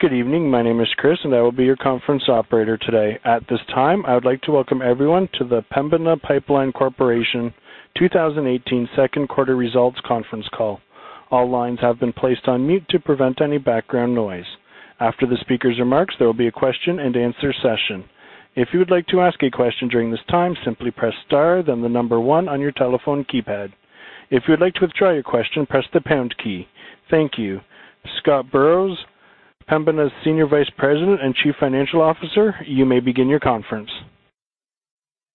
Good evening. My name is Chris, and I will be your conference operator today. At this time, I would like to welcome everyone to the Pembina Pipeline Corporation 2018 second quarter results conference call. All lines have been placed on mute to prevent any background noise. After the speaker's remarks, there will be a question and answer session. If you would like to ask a question during this time, simply press star then the number one on your telephone keypad. If you would like to withdraw your question, press the pound key. Thank you. Scott Burrows, Pembina's Senior Vice President and Chief Financial Officer, you may begin your conference.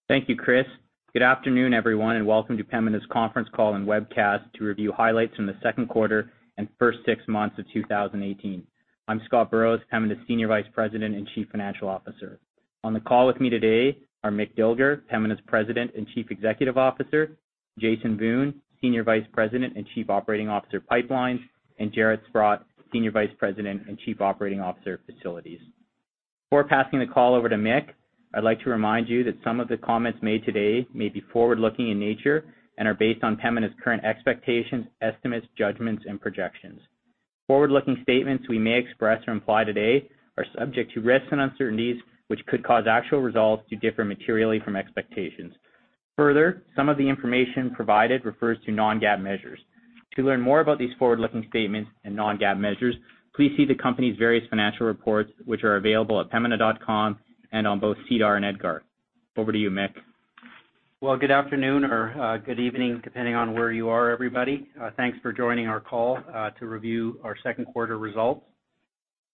Thank you, Chris. Good afternoon, everyone, and welcome to Pembina's conference call and webcast to review highlights from the second quarter and first six months of 2018. I'm Scott Burrows, Pembina's Senior Vice President and Chief Financial Officer. On the call with me today are Mick Dilger, Pembina's President and Chief Executive Officer, Jason Wiun, Senior Vice President and Chief Operating Officer, Pipelines, and Jaret Sprott, Senior Vice President and Chief Operating Officer of Facilities. Before passing the call over to Mick, I'd like to remind you that some of the comments made today may be forward-looking in nature and are based on Pembina's current expectations, estimates, judgments, and projections. Forward-looking statements we may express or imply today are subject to risks and uncertainties, which could cause actual results to differ materially from expectations. Further, some of the information provided refers to non-GAAP measures. To learn more about these forward-looking statements and non-GAAP measures, please see the company's various financial reports, which are available at pembina.com and on both SEDAR and EDGAR. Over to you, Mick. Well, good afternoon or good evening, depending on where you are, everybody. Thanks for joining our call, to review our second quarter results.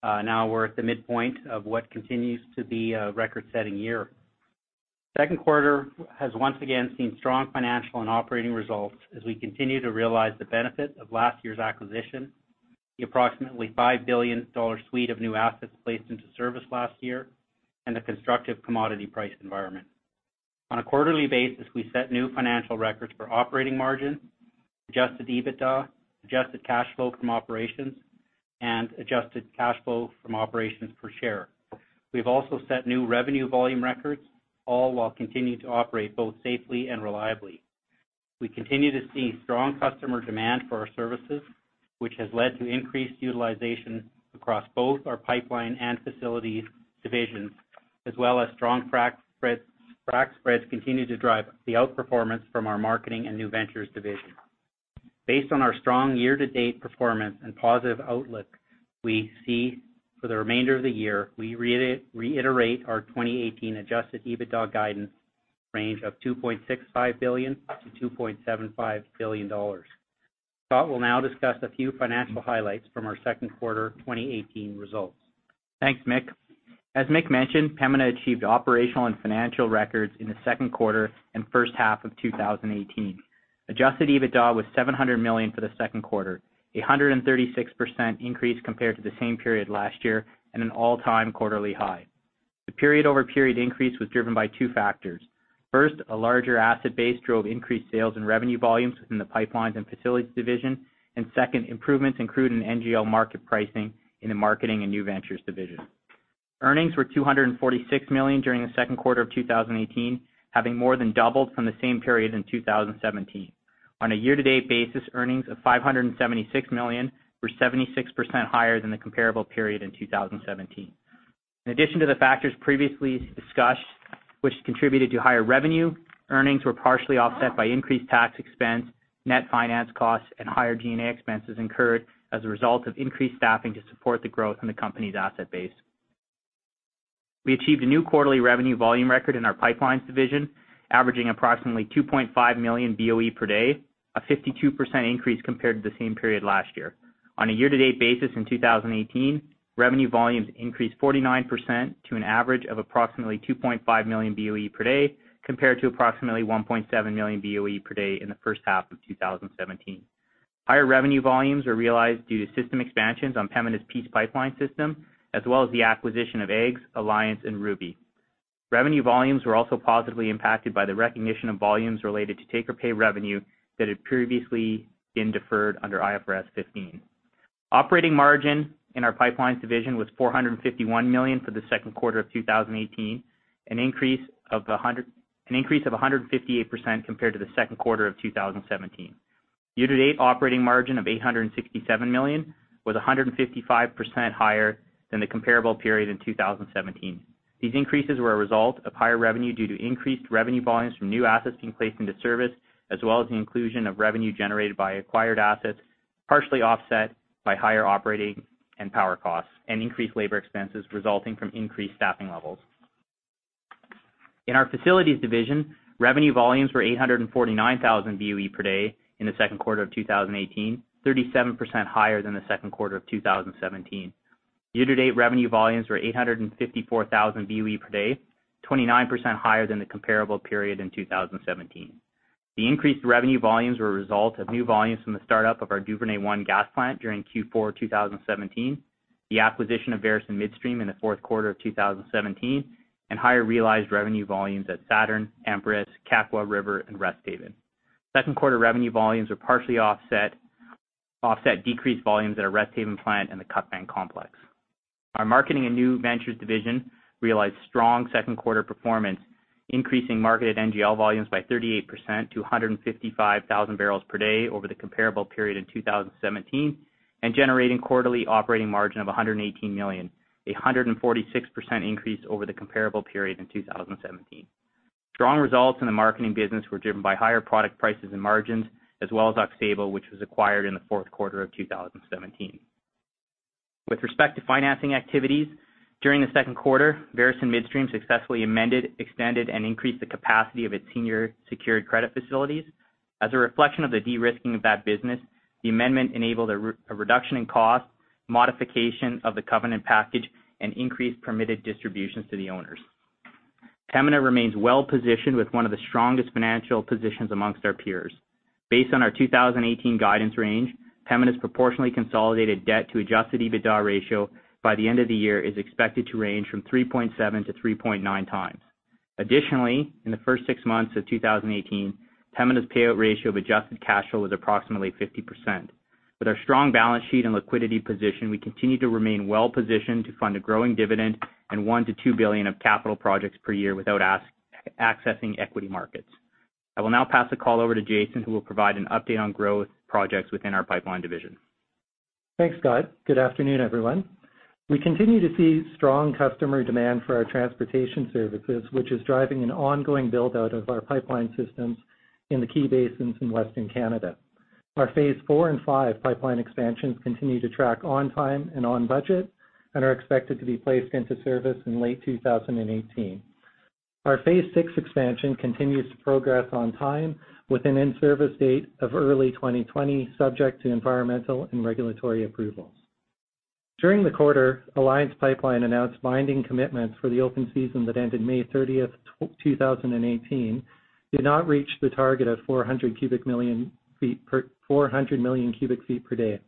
Now we're at the midpoint of what continues to be a record-setting year. Second quarter has once again seen strong financial and operating results as we continue to realize the benefit of last year's acquisition, the approximately 5 billion dollar suite of new assets placed into service last year, and the constructive commodity price environment. On a quarterly basis, we set new financial records for operating margin, adjusted EBITDA, adjusted cash flow from operations, and adjusted cash flow from operations per share. We've also set new revenue volume records, all while continuing to operate both safely and reliably. We continue to see strong customer demand for our services, which has led to increased utilization across both our Pipelines and Facilities divisions, as well as strong frac spreads continue to drive the outperformance from our Marketing and New Ventures division. Based on our strong year-to-date performance and positive outlook we see for the remainder of the year, we reiterate our 2018 adjusted EBITDA guidance range of 2.65 billion-2.75 billion dollars. Scott will now discuss a few financial highlights from our second quarter 2018 results. Thanks, Mick. As Mick mentioned, Pembina achieved operational and financial records in the second quarter and first half of 2018. Adjusted EBITDA was 700 million for the second quarter, 136% increase compared to the same period last year, an all-time quarterly high. The period-over-period increase was driven by two factors. First, a larger asset base drove increased sales and revenue volumes within the Pipelines and Facilities division. Second, improvements in crude and NGL market pricing in the Marketing and New Ventures division. Earnings were 246 million during the second quarter of 2018, having more than doubled from the same period in 2017. On a year-to-date basis, earnings of CAD 576 million were 76% higher than the comparable period in 2017. In addition to the factors previously discussed, which contributed to higher revenue, earnings were partially offset by increased tax expense, net finance costs, higher G&A expenses incurred as a result of increased staffing to support the growth in the company's asset base. We achieved a new quarterly revenue volume record in our Pipelines division, averaging approximately 2.5 million BOE per day, a 52% increase compared to the same period last year. On a year-to-date basis in 2018, revenue volumes increased 49% to an average of approximately 2.5 million BOE per day, compared to approximately 1.7 million BOE per day in the first half of 2017. Higher revenue volumes were realized due to system expansions on Pembina's Peace Pipeline system, the acquisition of AEGS, Alliance, and Ruby. Revenue volumes were also positively impacted by the recognition of volumes related to take-or-pay revenue that had previously been deferred under IFRS 15. Operating margin in our Pipelines division was 451 million for the second quarter of 2018, an increase of 158% compared to the second quarter of 2017. Year-to-date operating margin of CAD 867 million was 155% higher than the comparable period in 2017. These increases were a result of higher revenue due to increased revenue volumes from new assets being placed into service, the inclusion of revenue generated by acquired assets, partially offset by higher operating and power costs, increased labor expenses resulting from increased staffing levels. In our Facilities division, revenue volumes were 849,000 BOE per day in the second quarter of 2018, 37% higher than the second quarter of 2017. Year-to-date revenue volumes were 854,000 BOE per day, 29% higher than the comparable period in 2017. The increased revenue volumes were a result of new volumes from the startup of our Duvernay I gas plant during Q4 2017, the acquisition of Veresen Midstream in the fourth quarter of 2017, and higher realized revenue volumes at Saturn, Ambris, Kakwa River, and West Haven. Second quarter revenue volumes were partially offset decreased volumes at our West Haven plant and the Cutbank complex. Our marketing and new ventures division realized strong second quarter performance, increasing marketed NGL volumes by 38% to 155,000 barrels per day over the comparable period in 2017 and generating quarterly operating margin of 118 million, 146% increase over the comparable period in 2017. Strong results in the marketing business were driven by higher product prices and margins, as well as Aux Sable, which was acquired in the fourth quarter of 2017. With respect to financing activities, during the second quarter, Veresen Midstream successfully amended, extended, and increased the capacity of its senior secured credit facilities. As a reflection of the de-risking of that business, the amendment enabled a reduction in cost, modification of the covenant package, and increased permitted distributions to the owners. Pembina remains well-positioned with one of the strongest financial positions amongst our peers. Based on our 2018 guidance range, Pembina's proportionally consolidated debt to adjusted EBITDA ratio by the end of the year is expected to range from 3.7 to 3.9 times. Additionally, in the first six months of 2018, Pembina's payout ratio of adjusted cash flow was approximately 50%. With our strong balance sheet and liquidity position, we continue to remain well-positioned to fund a growing dividend and 1 billion to 2 billion of capital projects per year without accessing equity markets. I will now pass the call over to Jason, who will provide an update on growth projects within our pipeline division. Thanks, Scott. Good afternoon, everyone. We continue to see strong customer demand for our transportation services, which is driving an ongoing build-out of our pipeline systems in the key basins in Western Canada. Our phase 4 and 5 pipeline expansions continue to track on time and on budget and are expected to be placed into service in late 2018. Our phase 6 expansion continues to progress on time with an in-service date of early 2020, subject to environmental and regulatory approvals. During the quarter, Alliance Pipeline announced binding commitments for the open season that ended May 30th, 2018, did not reach the target of 400 million cubic feet per day.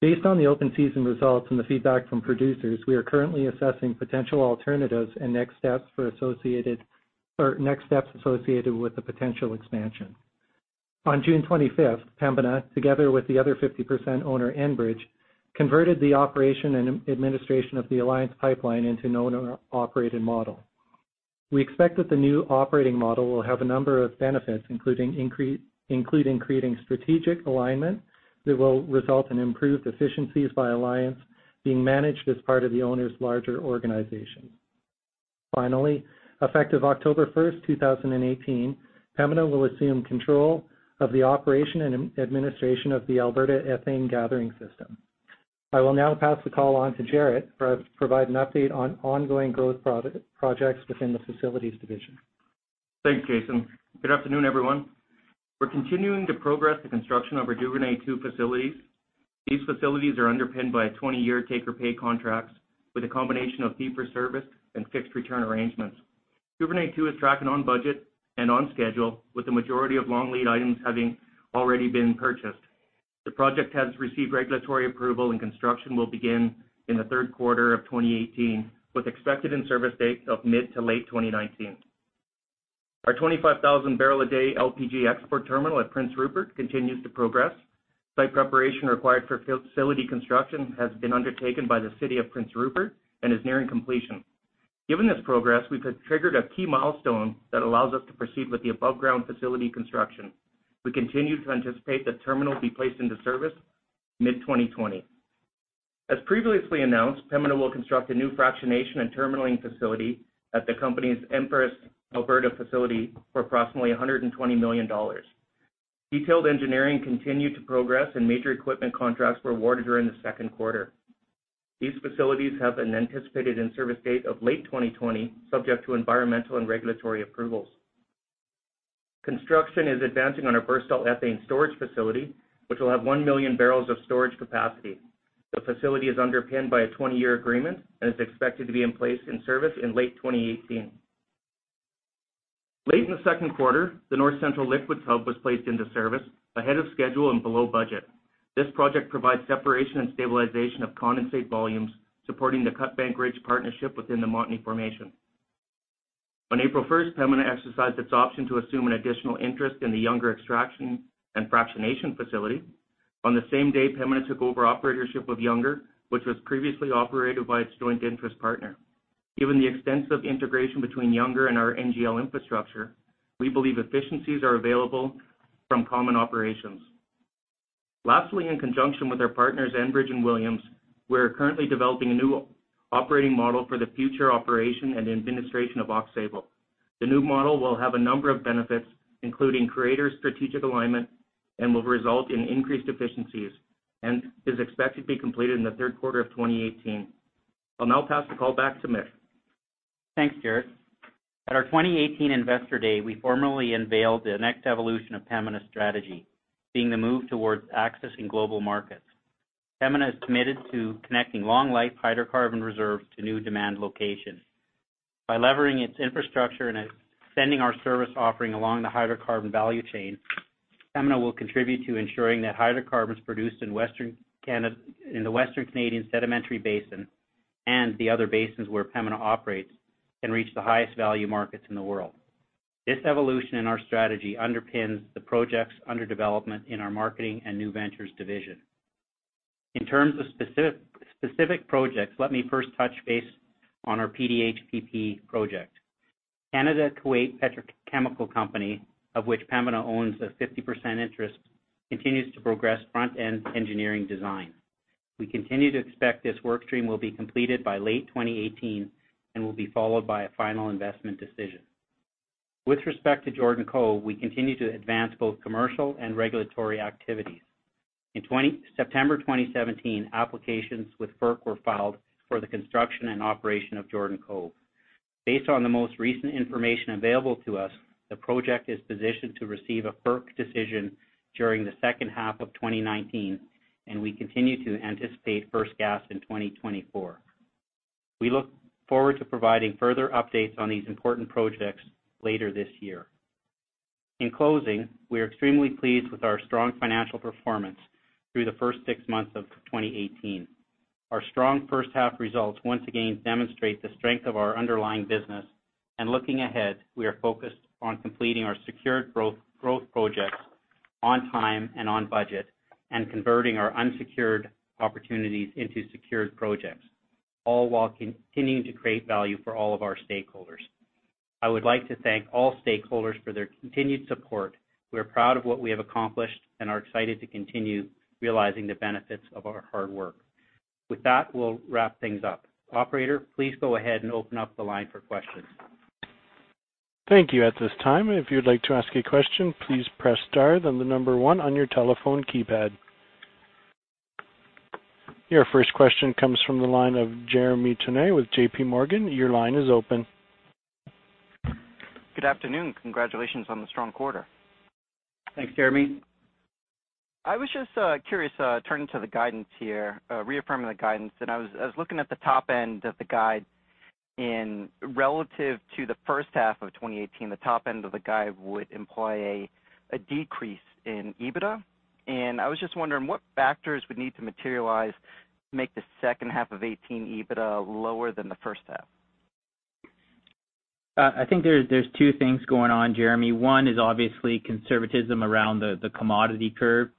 Based on the open season results and the feedback from producers, we are currently assessing potential alternatives and next steps associated with the potential expansion. On June 25th, Pembina, together with the other 50% owner, Enbridge, converted the operation and administration of the Alliance Pipeline into an owner-operated model. We expect that the new operating model will have a number of benefits, including creating strategic alignment that will result in improved efficiencies by Alliance being managed as part of the owner's larger organization. Finally, effective October 1st, 2018, Pembina will assume control of the operation and administration of the Alberta Ethane Gathering System. I will now pass the call on to Jaret to provide an update on ongoing growth projects within the facilities division. Thanks, Jason. Good afternoon, everyone. We're continuing to progress the construction of our Duvernay II facilities. These facilities are underpinned by a 20-year take-or-pay contracts with a combination of fee-for-service and fixed return arrangements. Duvernay II is tracking on budget and on schedule with the majority of long lead items having already been purchased. The project has received regulatory approval and construction will begin in the third quarter of 2018 with expected in-service dates of mid to late 2019. Our 25,000-barrel-a-day LPG export terminal at Prince Rupert continues to progress. Site preparation required for facility construction has been undertaken by the City of Prince Rupert and is nearing completion. Given this progress, we've triggered a key milestone that allows us to proceed with the above-ground facility construction. We continue to anticipate the terminal will be placed into service mid-2020. As previously announced, Pembina will construct a new fractionation and terminalling facility at the company's Empress, Alberta facility for approximately 120 million dollars. Detailed engineering continued to progress and major equipment contracts were awarded during the second quarter. These facilities have an anticipated in-service date of late 2020, subject to environmental and regulatory approvals. Construction is advancing on our Burstall Ethane Storage Facility, which will have 1 million barrels of storage capacity. The facility is underpinned by a 20-year agreement and is expected to be in place in service in late 2018. Late in the second quarter, the North Central Liquids Hub was placed into service ahead of schedule and below budget. This project provides separation and stabilization of condensate volumes, supporting the Cutbank Ridge Partnership within the Montney formation. On April 1st, Pembina exercised its option to assume an additional interest in the Younger Extraction Facility. On the same day, Pembina took over operatorship of Younger, which was previously operated by its joint interest partner. Given the extensive integration between Younger and our NGL infrastructure, we believe efficiencies are available from common operations. Lastly, in conjunction with our partners Enbridge and Williams, we are currently developing a new operating model for the future operation and administration of Aux Sable. The new model will have a number of benefits, including greater strategic alignment and will result in increased efficiencies, and is expected to be completed in the third quarter of 2018. I'll now pass the call back to Mick. Thanks, Jaret. At our 2018 Investor Day, we formally unveiled the next evolution of Pembina's strategy, being the move towards accessing global markets. Pembina is committed to connecting long-life hydrocarbon reserves to new demand locations. By leveraging its infrastructure and extending our service offering along the hydrocarbon value chain, Pembina will contribute to ensuring that hydrocarbons produced in the Western Canadian Sedimentary Basin and the other basins where Pembina operates can reach the highest value markets in the world. This evolution in our strategy underpins the projects under development in our marketing and new ventures division. In terms of specific projects, let me first touch base on our PDHP project. Canada Kuwait Petrochemical Company, of which Pembina owns a 50% interest, continues to progress front-end engineering design. We continue to expect this work stream will be completed by late 2018 and will be followed by a final investment decision. With respect to Jordan Cove, we continue to advance both commercial and regulatory activities. In September 2017, applications with FERC were filed for the construction and operation of Jordan Cove. Based on the most recent information available to us, the project is positioned to receive a FERC decision during the second half of 2019, and we continue to anticipate first gas in 2024. We look forward to providing further updates on these important projects later this year. In closing, we are extremely pleased with our strong financial performance through the first six months of 2018. Our strong first-half results once again demonstrate the strength of our underlying business, and looking ahead, we are focused on completing our secured growth projects on time and on budget, and converting our unsecured opportunities into secured projects, all while continuing to create value for all of our stakeholders. I would like to thank all stakeholders for their continued support. We are proud of what we have accomplished and are excited to continue realizing the benefits of our hard work. With that, we'll wrap things up. Operator, please go ahead and open up the line for questions. Thank you. At this time, if you'd like to ask a question, please press star, then the number 1 on your telephone keypad. Your first question comes from the line of Jeremy Tonet with J.P. Morgan. Your line is open. Good afternoon. Congratulations on the strong quarter. Thanks, Jeremy. I was just curious, turning to the guidance here, reaffirming the guidance. I was looking at the top end of the guide in relative to the first half of 2018. The top end of the guide would imply a decrease in EBITDA, and I was just wondering what factors would need to materialize to make the second half of 2018 EBITDA lower than the first half? I think there's two things going on, Jeremy. One is obviously conservatism around the commodity curve.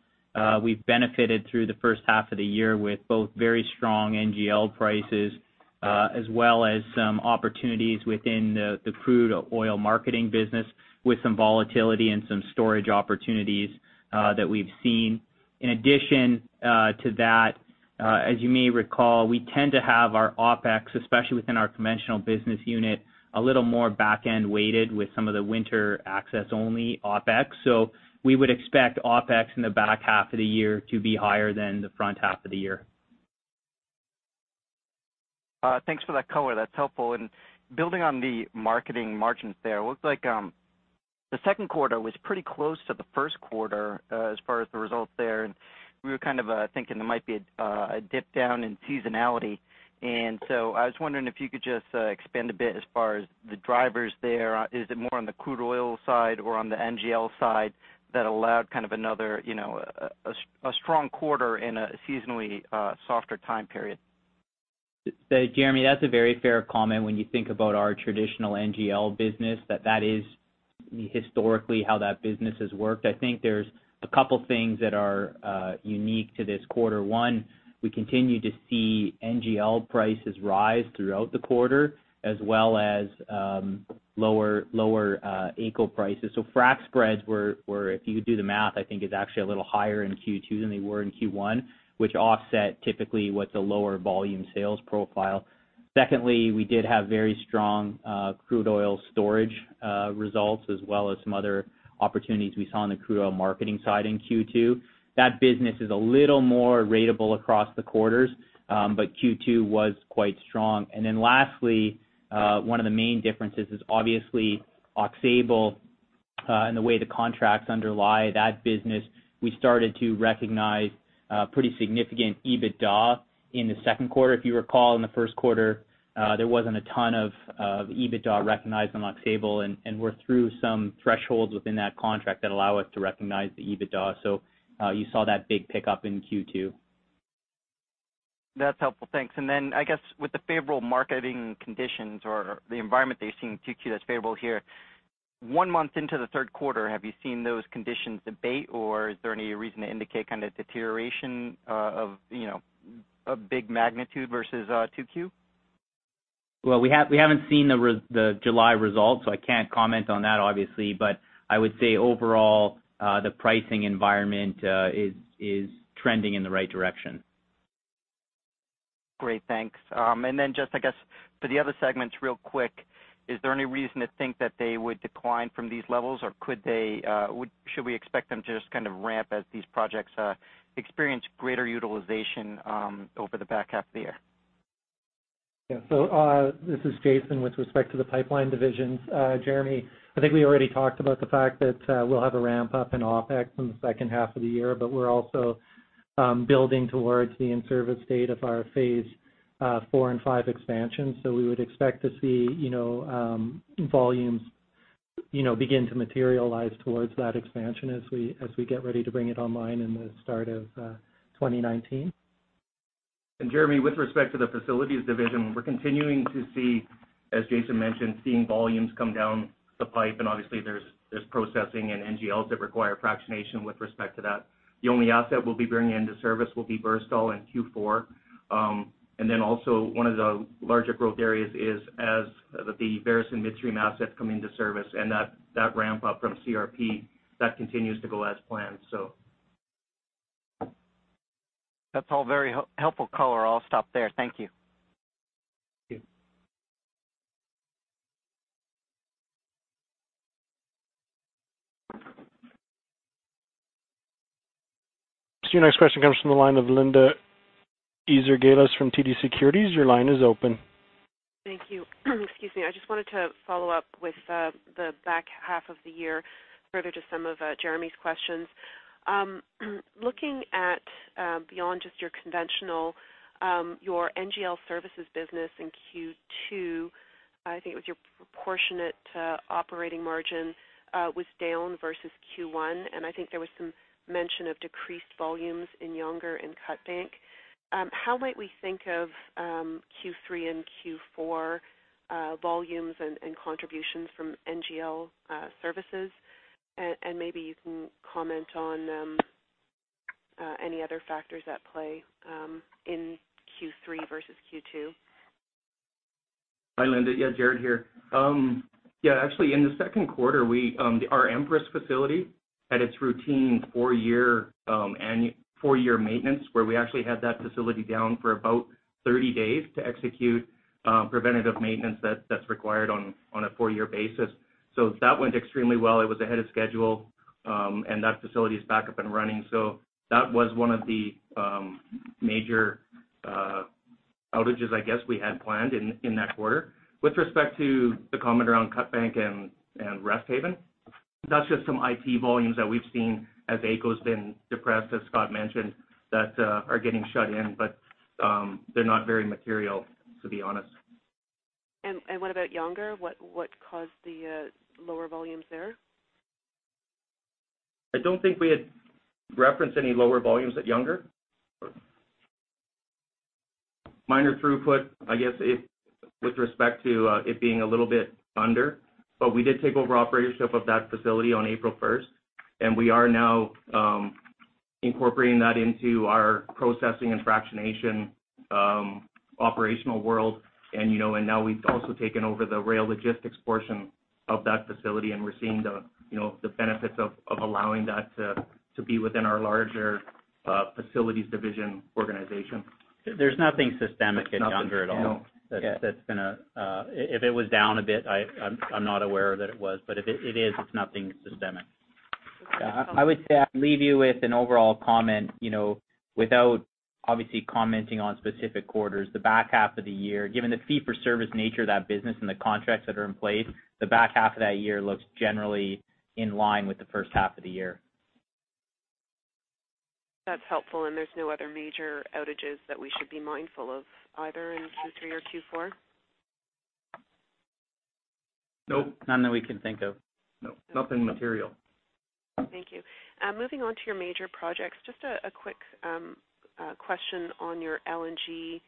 We've benefited through the first half of the year with both very strong NGL prices, as well as some opportunities within the crude oil marketing business with some volatility and some storage opportunities that we've seen. In addition to that, as you may recall, we tend to have our OpEx, especially within our conventional business unit, a little more back-end weighted with some of the winter access-only OpEx. We would expect OpEx in the back half of the year to be higher than the front half of the year. Thanks for that color. That's helpful. Building on the marketing margins there, it looks like the second quarter was pretty close to the first quarter as far as the results there, and we were kind of thinking there might be a dip down in seasonality, I was wondering if you could just expand a bit as far as the drivers there. Is it more on the crude oil side or on the NGL side that allowed kind of another strong quarter in a seasonally softer time period? Jeremy, that's a very fair comment when you think about our traditional NGL business, that is historically how that business has worked. I think there's a couple things that are unique to this quarter. One, we continue to see NGL prices rise throughout the quarter, as well as lower AECO prices. frac spreads were, if you do the math, I think is actually a little higher in Q2 than they were in Q1, which offset typically what's a lower volume sales profile. Secondly, we did have very strong crude oil storage results as well as some other opportunities we saw on the crude oil marketing side in Q2. That business is a little more ratable across the quarters, but Q2 was quite strong. Lastly, one of the main differences is obviously Aux Sable and the way the contracts underlie that business. We started to recognize pretty significant EBITDA in the second quarter. If you recall, in the first quarter, there wasn't a ton of EBITDA recognized on Aux Sable, and we're through some thresholds within that contract that allow us to recognize the EBITDA. You saw that big pickup in Q2. That's helpful. Thanks. I guess with the favorable marketing conditions or the environment that you're seeing in 2Q that's favorable here, one month into the third quarter, have you seen those conditions abate or is there any reason to indicate kind of deterioration of a big magnitude versus 2Q? We haven't seen the July results, so I can't comment on that obviously. I would say overall, the pricing environment is trending in the right direction. Great. Thanks. Just I guess for the other segments real quick, is there any reason to think that they would decline from these levels, or should we expect them to just kind of ramp as these projects experience greater utilization over the back half of the year? This is Jason. With respect to the pipeline divisions, Jeremy, I think we already talked about the fact that we'll have a ramp-up in OpEx in the second half of the year, but we're also building towards the in-service date of our phase 4 and 5 expansions. We would expect to see volumes begin to materialize towards that expansion as we get ready to bring it online in the start of 2019. Jeremy, with respect to the facilities division, we're continuing to see, as Jason mentioned, seeing volumes come down the pipe, and obviously there's processing and NGLs that require fractionation with respect to that. The only asset we'll be bringing into service will be Burstall in Q4. Also one of the larger growth areas is as the Veresen Midstream assets come into service and that ramp up from CRP, that continues to go as planned. That's all very helpful color. I'll stop there. Thank you. Thank you. Your next question comes from the line of Linda Ezergailis from TD Securities. Your line is open. Thank you. Excuse me. I just wanted to follow up with the back half of the year, further to some of Jeremy's questions. Looking at beyond just your conventional, your NGL services business in Q2, I think it was your proportionate operating margin was down versus Q1, I think there was some mention of decreased volumes in Younger and Cutbank. How might we think of Q3 and Q4 volumes and contributions from NGL services? Maybe you can comment on any other factors at play in Q3 versus Q2. Hi, Linda. Jaret here. Actually in the second quarter, our Empress facility had its routine four-year maintenance where we actually had that facility down for about 30 days to execute preventative maintenance that's required on a four-year basis. That went extremely well. It was ahead of schedule, and that facility is back up and running. That was one of the major outages, I guess, we had planned in that quarter. With respect to the comment around Cutbank and West Haven, that's just some NGL volumes that we've seen as AECO's been depressed, as Scott mentioned, that are getting shut in. They're not very material, to be honest. What about Younger? What caused the lower volumes there? I don't think we had referenced any lower volumes at Younger. Minor throughput, I guess, with respect to it being a little bit under. We did take over operatorship of that facility on April 1st, and we are now incorporating that into our processing and fractionation operational world. Now we've also taken over the rail logistics portion of that facility, and we're seeing the benefits of allowing that to be within our larger facilities division organization. There's nothing systemic in Younger at all. No. If it was down a bit, I'm not aware that it was. If it is, it's nothing systemic. Okay. I would say I'd leave you with an overall comment, without obviously commenting on specific quarters, the back half of the year, given the fee-for-service nature of that business and the contracts that are in place, the back half of that year looks generally in line with the first half of the year. That's helpful, there's no other major outages that we should be mindful of either in Q3 or Q4? Nope, none that we can think of. No. Nothing material. Thank you. Moving on to your major projects, just a quick question on your LNG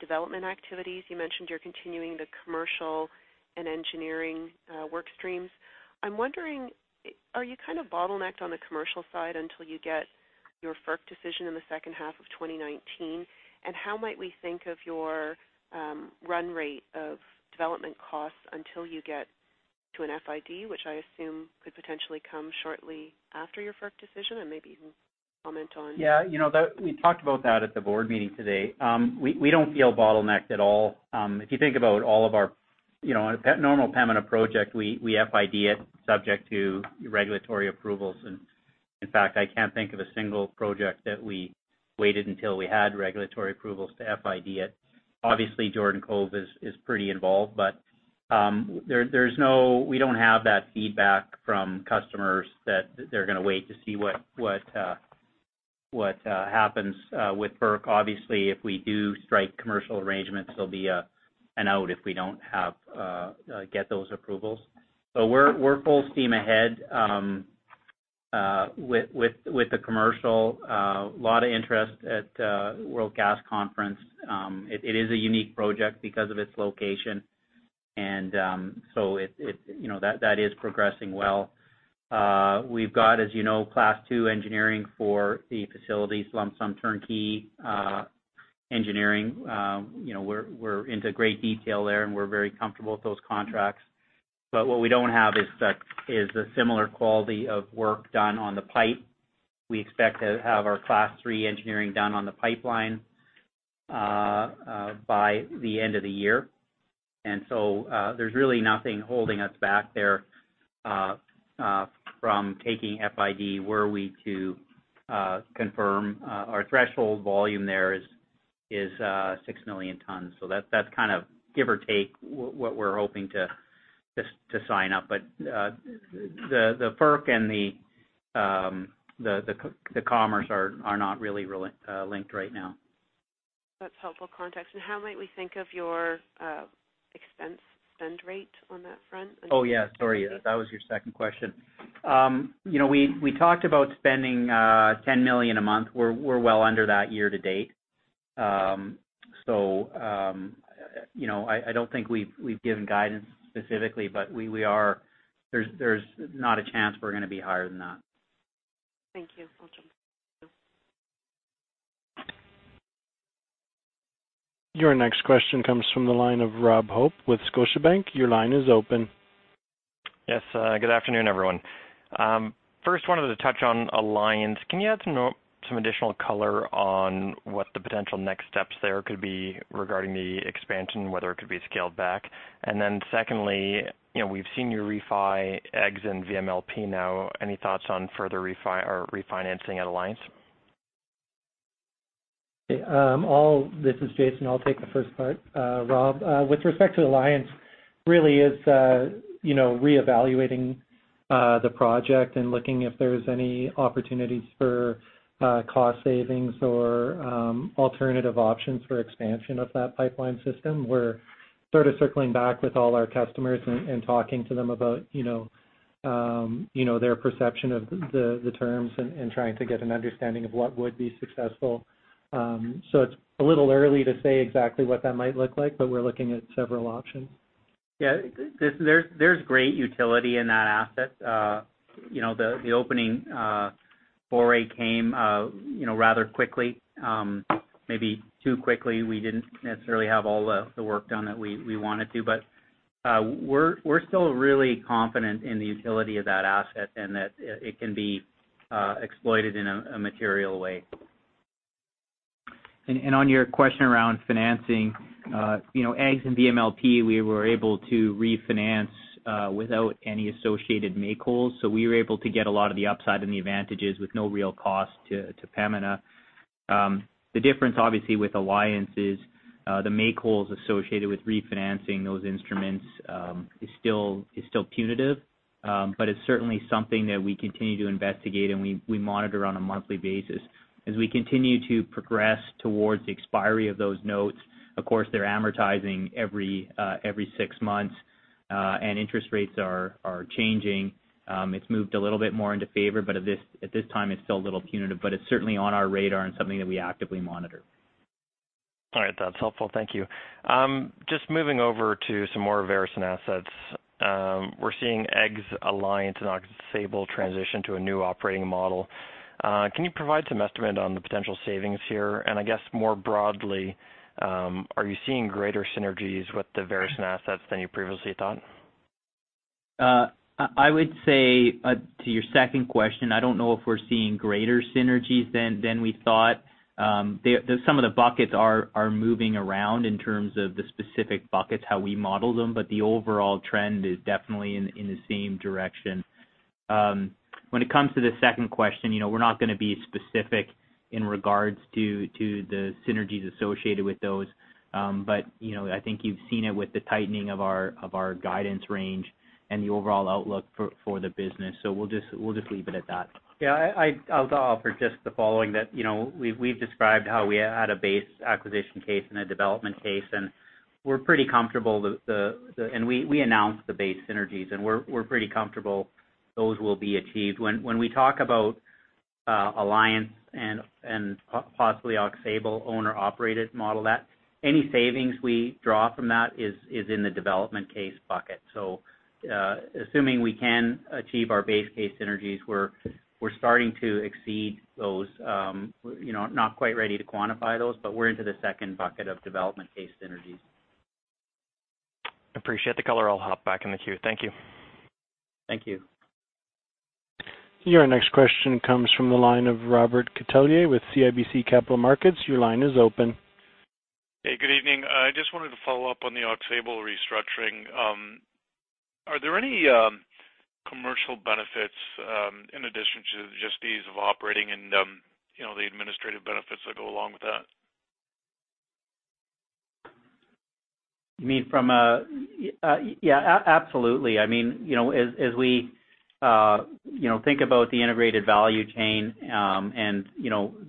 development activities. You mentioned you're continuing the commercial and engineering work streams. I'm wondering, are you kind of bottlenecked on the commercial side until you get your FERC decision in the second half of 2019? How might we think of your run rate of development costs until you get to an FID, which I assume could potentially come shortly after your FERC decision? Maybe you can comment on that. We talked about that at the board meeting today. We don't feel bottlenecked at all. If you think about a normal Pembina project, we FID it subject to regulatory approvals, and in fact, I can't think of a single project that we waited until we had regulatory approvals to FID it. Obviously, Jordan Cove is pretty involved, but we don't have that feedback from customers that they're going to wait to see what happens with FERC. Obviously, if we do strike commercial arrangements, there'll be an out if we don't get those approvals. We're full steam ahead with the commercial. A lot of interest at World Gas Conference. It is a unique project because of its location, and so that is progressing well. We've got, as you know, class 2 engineering for the facility, lump sum turnkey engineering. We're into great detail there, and we're very comfortable with those contracts. What we don't have is a similar quality of work done on the pipe. We expect to have our class 3 engineering done on the pipeline by the end of the year. There's really nothing holding us back there from taking FID were we to confirm our threshold volume there is 6 million tons. That's kind of give or take what we're hoping to sign up. The FERC and the commerce are not really linked right now. That's helpful context. How might we think of your expense spend rate on that front? Oh, yeah. Sorry, that was your second question. We talked about spending 10 million a month. We're well under that year-to-date. I don't think we've given guidance specifically, but there's not a chance we're going to be higher than that. Thank you. Welcome. Your next question comes from the line of Robert Hope with Scotiabank. Your line is open. Yes. Good afternoon, everyone. First, wanted to touch on Alliance. Can you add some additional color on what the potential next steps there could be regarding the expansion, whether it could be scaled back? Secondly, we've seen you refi AEGS and VMLP now. Any thoughts on further refinancing at Alliance? This is Jason. I'll take the first part, Rob. With respect to Alliance, really is re-evaluating the project and looking if there's any opportunities for cost savings or alternative options for expansion of that pipeline system. We're sort of circling back with all our customers and talking to them about their perception of the terms and trying to get an understanding of what would be successful. It's a little early to say exactly what that might look like, but we're looking at several options. Yeah. There's great utility in that asset. The opening foray came rather quickly, maybe too quickly. We didn't necessarily have all the work done that we wanted to. We're still really confident in the utility of that asset and that it can be exploited in a material way. On your question around financing, AEGS and VMLP, we were able to refinance without any associated make-wholes. We were able to get a lot of the upside and the advantages with no real cost to Pembina. The difference, obviously, with Alliance is the make-wholes associated with refinancing those instruments is still punitive. It's certainly something that we continue to investigate, and we monitor on a monthly basis. As we continue to progress towards the expiry of those notes, of course, they're amortizing every six months, and interest rates are changing. It's moved a little bit more into favor, but at this time, it's still a little punitive. It's certainly on our radar and something that we actively monitor. All right. That's helpful. Thank you. Just moving over to some more Veresen assets. We're seeing AEGS, Alliance, and Aux Sable transition to a new operating model. Can you provide some estimate on the potential savings here? I guess more broadly, are you seeing greater synergies with the Veresen assets than you previously thought? I would say to your second question, I don't know if we're seeing greater synergies than we thought. Some of the buckets are moving around in terms of the specific buckets, how we model them, the overall trend is definitely in the same direction. When it comes to the second question, we're not going to be specific in regards to the synergies associated with those. I think you've seen it with the tightening of our guidance range and the overall outlook for the business. We'll just leave it at that. Yeah. I'll offer just the following that we've described how we had a base acquisition case and a development case, we announced the base synergies, we're pretty comfortable those will be achieved. When we talk about Alliance and possibly Aux Sable owner operated model, any savings we draw from that is in the development case bucket. Assuming we can achieve our base case synergies, we're starting to exceed those, not quite ready to quantify those, we're into the second bucket of development case synergies. Appreciate the color. I'll hop back in the queue. Thank you. Thank you. Your next question comes from the line of Robert Catellier with CIBC Capital Markets. Your line is open. Hey, good evening. I just wanted to follow up on the Aux Sable restructuring. Are there any commercial benefits in addition to just the ease of operating and the administrative benefits that go along with that? Yeah, absolutely. As we think about the integrated value chain and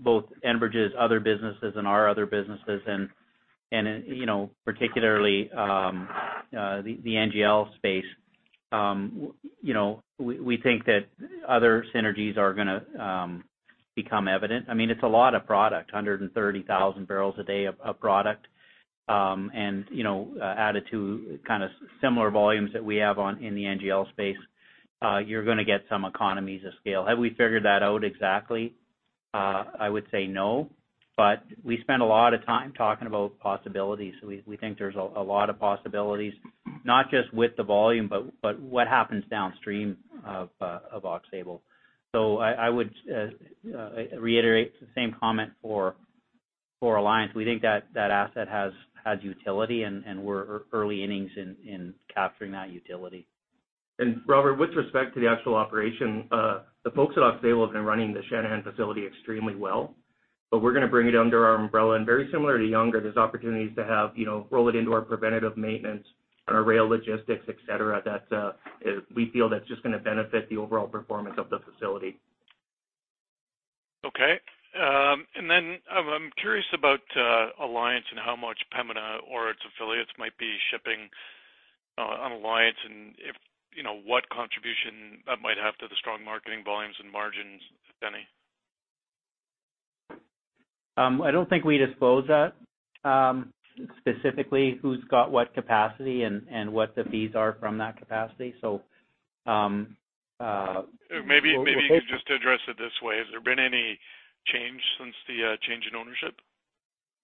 both Enbridge's other businesses and our other businesses, and particularly the NGL space, we think that other synergies are going to become evident. It's a lot of product, 130,000 barrels a day of product. Added to similar volumes that we have in the NGL space, you're going to get some economies of scale. Have we figured that out exactly? I would say no, but we spent a lot of time talking about possibilities. We think there's a lot of possibilities, not just with the volume, but what happens downstream of Aux Sable. I would reiterate the same comment for Alliance. We think that that asset has utility, and we're early innings in capturing that utility. Robert, with respect to the actual operation, the folks at Aux Sable have been running the Channahon facility extremely well. We're going to bring it under our umbrella, and very similar to Younger, there's opportunities to roll it into our preventative maintenance and our rail logistics, et cetera, that we feel that's just going to benefit the overall performance of the facility. Okay. I'm curious about Alliance and how much Pembina or its affiliates might be shipping on Alliance and what contribution that might have to the strong marketing volumes and margins, if any. I don't think we disclose that, specifically who's got what capacity and what the fees are from that capacity. Maybe you could just address it this way. Has there been any change since the change in ownership?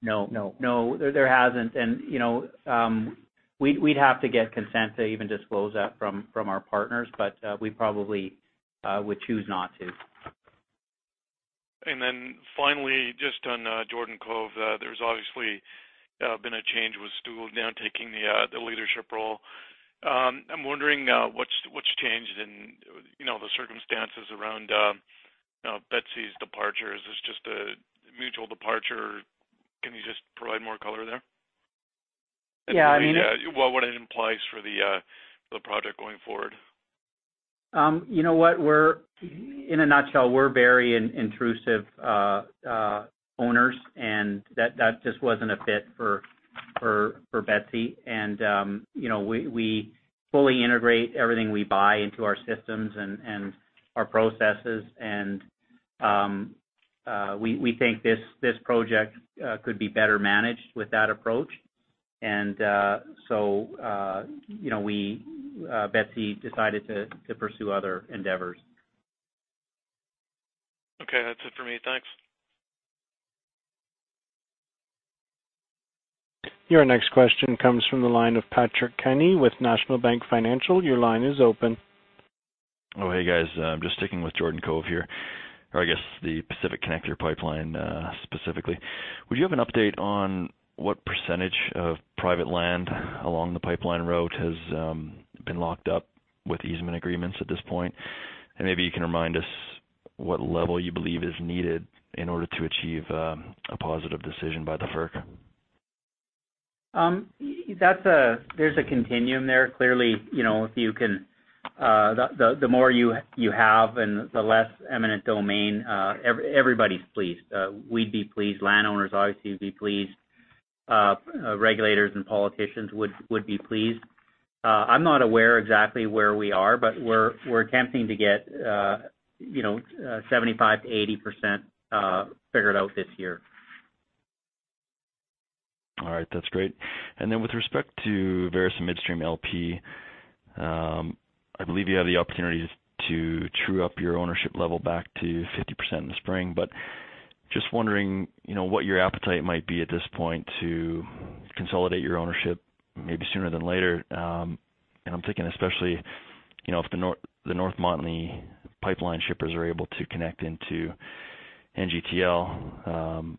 No. No. No, there hasn't. We'd have to get consent to even disclose that from our partners, we probably would choose not to. Finally, just on Jordan Cove, there's obviously been a change with Stu now taking the leadership role. I'm wondering what's changed in the circumstances around Elizabeth's departure. Is this just a mutual departure? Can you just provide more color there? Yeah, I mean. What it implies for the project going forward? You know what? In a nutshell, we're very intrusive owners, and that just wasn't a fit for Betsy. We fully integrate everything we buy into our systems and our processes. We think this project could be better managed with that approach. So, Betsy decided to pursue other endeavors. Okay. That's it for me. Thanks. Your next question comes from the line of Patrick Kenny with National Bank Financial. Your line is open. Oh, hey, guys. Just sticking with Jordan Cove here, or I guess the Pacific Connector pipeline specifically. Would you have an update on what % of private land along the pipeline route has been locked up with easement agreements at this point? Maybe you can remind us what level you believe is needed in order to achieve a positive decision by the FERC. There's a continuum there. Clearly, the more you have and the less eminent domain, everybody's pleased. We'd be pleased, landowners obviously would be pleased. Regulators and politicians would be pleased. I'm not aware exactly where we are, but we're attempting to get 75%-80% figured out this year. That's great. With respect to Veresen Midstream LP, I believe you have the opportunity to true up your ownership level back to 50% in the spring. Just wondering what your appetite might be at this point to consolidate your ownership maybe sooner than later. I'm thinking especially, if the North Montney pipeline shippers are able to connect into NGTL.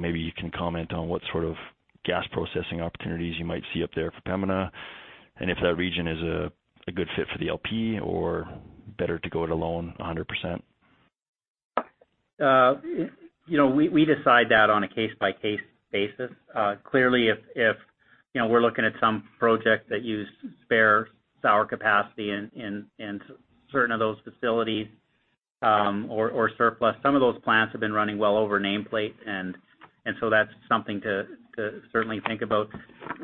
Maybe you can comment on what sort of gas processing opportunities you might see up there for Pembina, and if that region is a good fit for the LP or better to go it alone 100%. We decide that on a case-by-case basis. Clearly, if we're looking at some project that use spare sour capacity in certain of those facilities or surplus. Some of those plants have been running well over nameplate, that's something to certainly think about.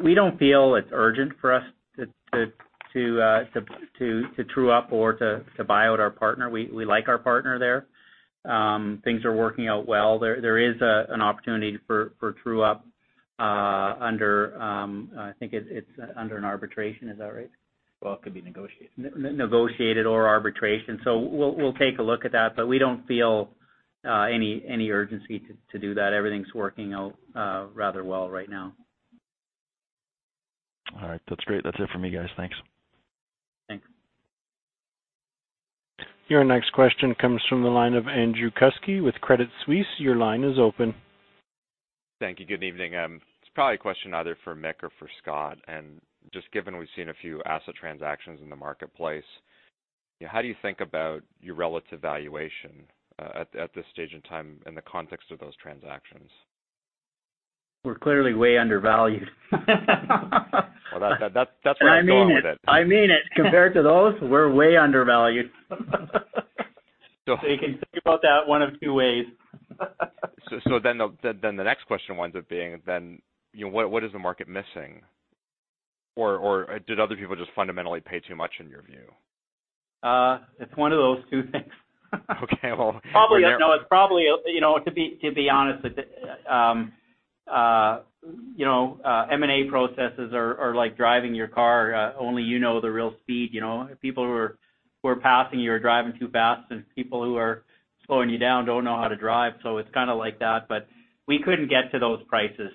We don't feel it's urgent for us to true up or to buy out our partner. We like our partner there. Things are working out well. There is an opportunity for true up under I think it's under an arbitration. Is that right? Well, it could be negotiation. Negotiated or arbitration. We'll take a look at that, but we don't feel any urgency to do that. Everything's working out rather well right now. All right. That's great. That's it for me, guys. Thanks. Thanks. Your next question comes from the line of Andrew Kuske with Credit Suisse. Your line is open. Thank you. Good evening. It's probably a question either for Mick or for Scott. Just given we've seen a few asset transactions in the marketplace, how do you think about your relative valuation at this stage in time in the context of those transactions? We're clearly way undervalued. Well, that's where I was going with it. I mean it. Compared to those, we're way undervalued. You can think about that one of two ways. The next question winds up being, what is the market missing? Or did other people just fundamentally pay too much in your view? It's one of those two things. Okay, well- To be honest, M&A processes are like driving your car, only you know the real speed. People who are passing you are driving too fast, and people who are slowing you down don't know how to drive. It's kind of like that, but we couldn't get to those prices.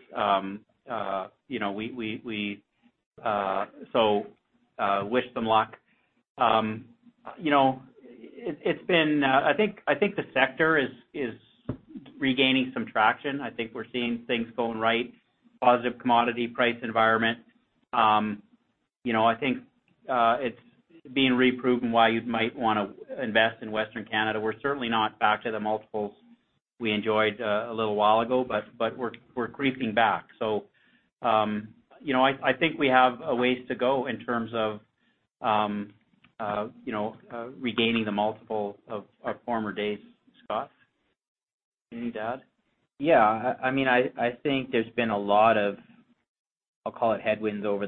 Wish them luck. I think the sector is regaining some traction. I think we're seeing things going right. Positive commodity price environment. I think it's being reproven why you might want to invest in Western Canada. We're certainly not back to the multiples we enjoyed a little while ago, but we're creeping back. I think we have a ways to go regaining the multiple of our former days. Scott, anything to add? Yeah. I think there's been a lot of, I'll call it headwinds or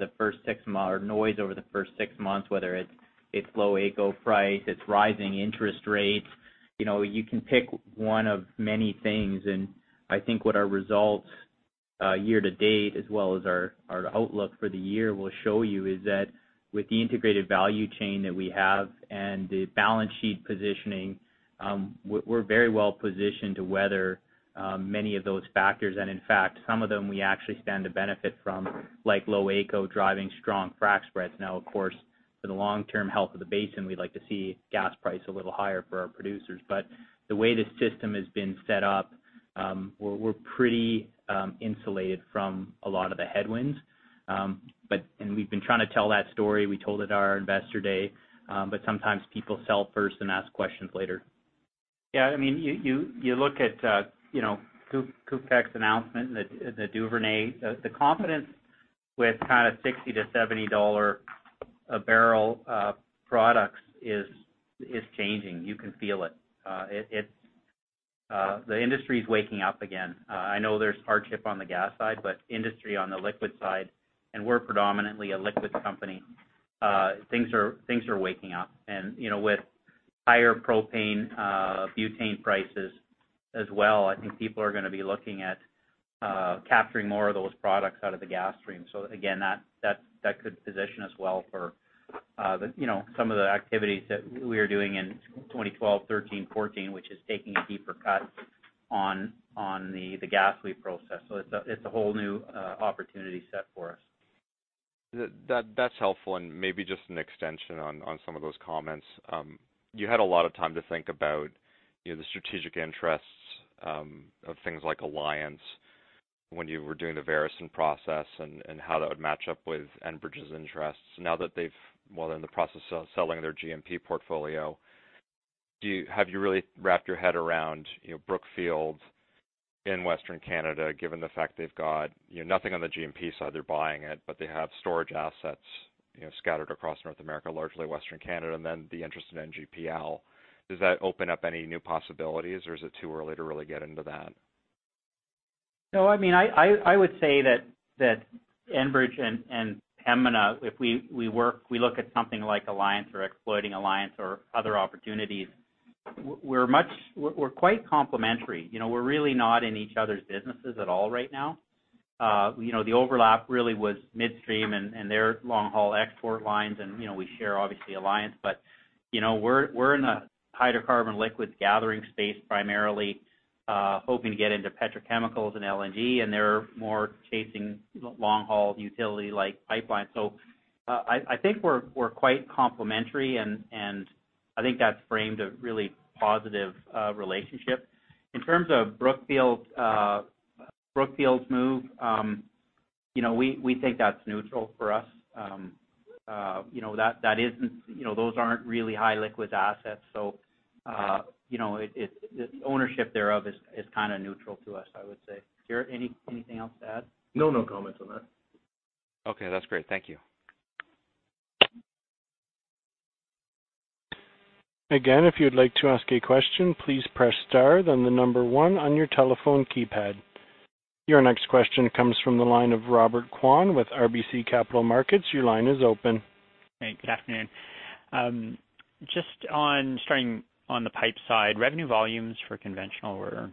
noise over the first six months, whether it's low AECO price, it's rising interest rates. You can pick one of many things, I think what our results year-to-date as well as our outlook for the year will show you is that with the integrated value chain that we have and the balance sheet positioning, we're very well-positioned to weather many of those factors. In fact, some of them we actually stand to benefit from, like low AECO driving strong frac spreads. Of course, for the long-term health of the basin, we'd like to see gas price a little higher for our producers. The way the system has been set up, we're pretty insulated from a lot of the headwinds. We've been trying to tell that story. We told it at our investor day. Sometimes people sell first and ask questions later. Yeah. You look at KUFPEC's announcement in the Duvernay. The confidence with 60 to 70 dollar a barrel products is changing. You can feel it. The industry's waking up again. I know there's hardship on the gas side, but industry on the liquid side, and we're predominantly a liquid company, things are waking up. With higher propane butane prices as well, I think people are going to be looking at capturing more of those products out of the gas stream. Again, that could position us well for some of the activities that we were doing in 2012, 2013, 2014, which is taking a deeper cut on the gas lead process. It's a whole new opportunity set for us. That's helpful, maybe just an extension on some of those comments. You had a lot of time to think about the strategic interests of things like Alliance when you were doing the Veresen process and how that would match up with Enbridge's interests. Now that they've, they're in the process of selling their G&P portfolio. Have you really wrapped your head around Brookfield in Western Canada, given the fact they've got nothing on the G&P side? They're buying it, but they have storage assets scattered across North America, largely Western Canada, and then the interest in NGPL. Does that open up any new possibilities, or is it too early to really get into that? No. I would say that Enbridge and Pembina, if we look at something like Alliance or exploiting Alliance or other opportunities, we're quite complementary. We're really not in each other's businesses at all right now. The overlap really was midstream and their long-haul export lines, and we share, obviously, Alliance. We're in a hydrocarbon liquids gathering space, primarily hoping to get into petrochemicals and LNG, and they're more chasing long-haul utility-like pipelines. I think we're quite complementary, and I think that's framed a really positive relationship. In terms of Brookfield's move, we think that's neutral for us. Those aren't really high liquids assets, so ownership thereof is neutral to us, I would say. Jaret, anything else to add? No comments on that. Okay. That's great. Thank you. Again, if you'd like to ask a question, please press star then the number 1 on your telephone keypad. Your next question comes from the line of Robert Kwan with RBC Capital Markets. Your line is open. Hey, good afternoon. Just on starting on the pipe side, revenue volumes for conventional were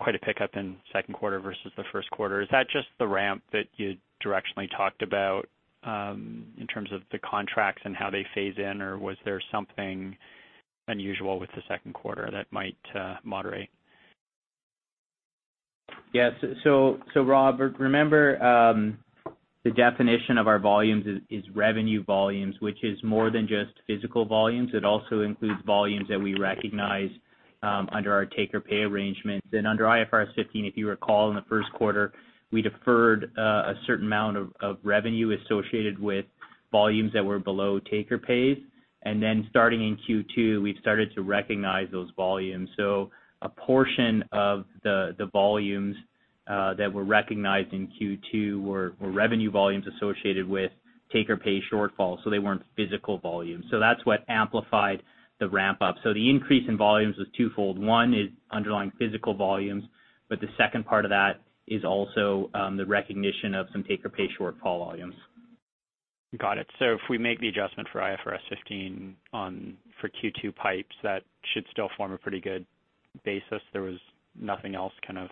quite a pickup in second quarter versus the first quarter. Is that just the ramp that you directionally talked about in terms of the contracts and how they phase in, or was there something unusual with the second quarter that might moderate? Yeah. Rob, remember, the definition of our volumes is revenue volumes, which is more than just physical volumes. It also includes volumes that we recognize under our take-or-pay arrangements. Under IFRS 15, if you recall, in the first quarter, we deferred a certain amount of revenue associated with volumes that were below take-or-pays. Then starting in Q2, we've started to recognize those volumes. A portion of the volumes that were recognized in Q2 were revenue volumes associated with take-or-pay shortfalls, so they weren't physical volumes. That's what amplified the ramp-up. The increase in volumes was twofold. One is underlying physical volumes, but the second part of that is also the recognition of some take-or-pay shortfall volumes. Got it. If we make the adjustment for IFRS 15 for Q2 pipes, that should still form a pretty good basis. There was nothing else kind of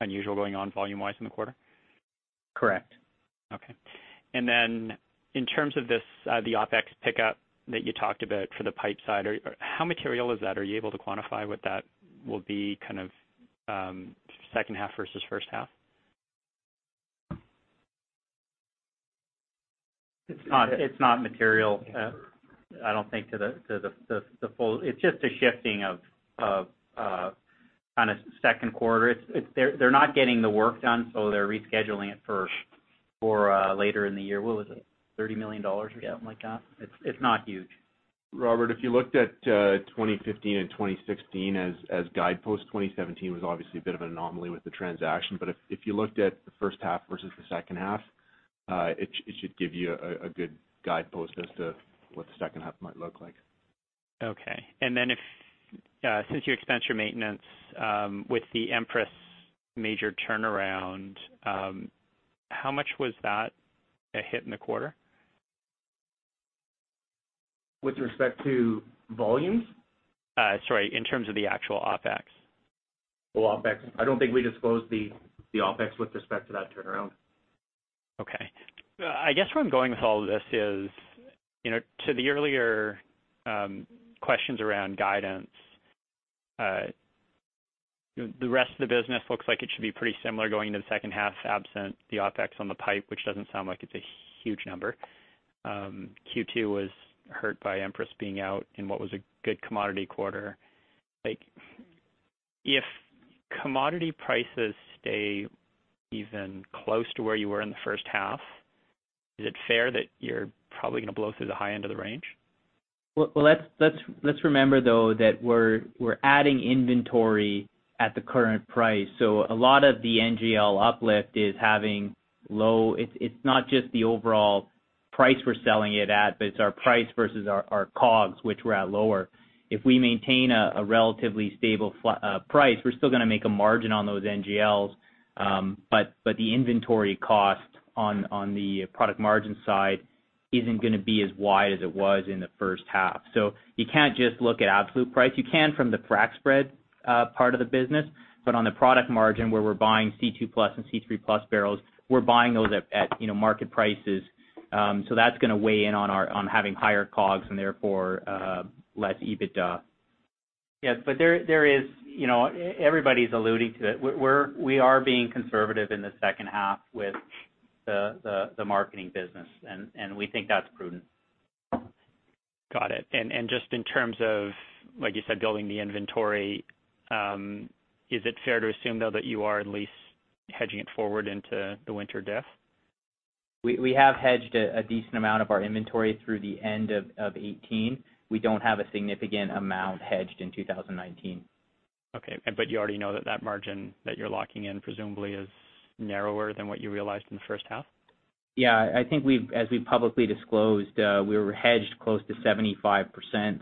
unusual going on volume-wise in the quarter? Correct. Okay. In terms of the OpEx pickup that you talked about for the pipe side, how material is that? Are you able to quantify what that will be second half versus first half? It's not material, I don't think. It's just a shifting of second quarter. They're not getting the work done, they're rescheduling it for later in the year. What was it, 30 million dollars or something like that? It's not huge. Robert, if you looked at 2015 and 2016 as guideposts, 2017 was obviously a bit of an anomaly with the transaction. If you looked at the first half versus the second half, it should give you a good guidepost as to what the second half might look like. Okay. Since you expensed your maintenance with the Empress major turnaround, how much was that a hit in the quarter? With respect to volumes? Sorry, in terms of the actual OpEx. Well, OpEx, I don't think we disclosed the OpEx with respect to that turnaround. Okay. I guess where I'm going with all of this is to the earlier questions around guidance. The rest of the business looks like it should be pretty similar going into the second half, absent the OpEx on the pipe, which doesn't sound like it's a huge number. Q2 was hurt by Empress being out in what was a good commodity quarter. If commodity prices stay even close to where you were in the first half, is it fair that you're probably going to blow through the high end of the range? Well, let's remember, though, that we're adding inventory at the current price. A lot of the NGL uplift is having It's not just the overall price we're selling it at, but it's our price versus our COGS, which we're at lower. If we maintain a relatively stable price, we're still going to make a margin on those NGLs. The inventory cost on the product margin side isn't going to be as wide as it was in the first half. You can't just look at absolute price. You can from the frac spread part of the business. On the product margin, where we're buying C2+ and C3+ barrels, we're buying those at market prices. That's going to weigh in on having higher COGS and therefore less EBITDA. Yes. Everybody's alluding to it. We are being conservative in the second half with the marketing business, and we think that's prudent. Got it. Just in terms of, like you said, building the inventory, is it fair to assume, though, that you are at least hedging it forward into the winter diff? We have hedged a decent amount of our inventory through the end of 2018. We don't have a significant amount hedged in 2019. Okay. You already know that that margin that you're locking in presumably is narrower than what you realized in the first half? I think as we've publicly disclosed, we were hedged close to 75%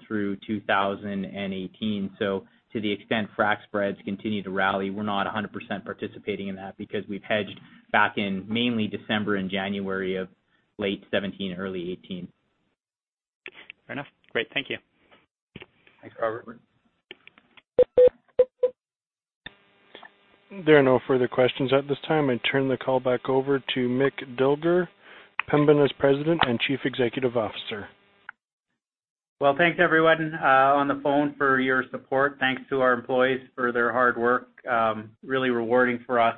through 2018. To the extent frac spreads continue to rally, we're not 100% participating in that because we've hedged back in mainly December and January of late 2017, early 2018. Fair enough. Great. Thank you. Thanks, Robert. There are no further questions at this time. I turn the call back over to Mick Dilger, Pembina's President and Chief Executive Officer. Thanks everyone on the phone for your support. Thanks to our employees for their hard work. Really rewarding for us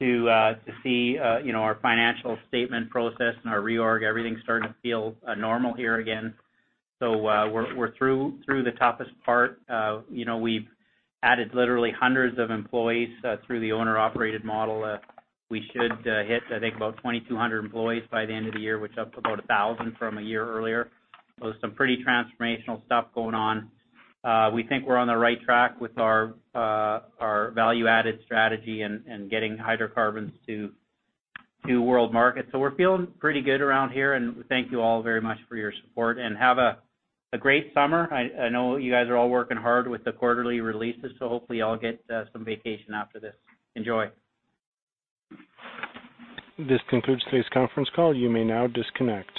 to see our financial statement process and our reorg. Everything's starting to feel normal here again. We're through the toughest part. We've added literally hundreds of employees through the owner-operated model. We should hit, I think, about 2,200 employees by the end of the year, which is up about 1,000 from a year earlier. Some pretty transformational stuff going on. We think we're on the right track with our value-added strategy and getting hydrocarbons to world markets. We're feeling pretty good around here, and thank you all very much for your support, and have a great summer. I know you guys are all working hard with the quarterly releases, so hopefully you all get some vacation after this. Enjoy. This concludes today's conference call. You may now disconnect.